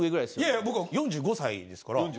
いやいや僕は４５歳ですから。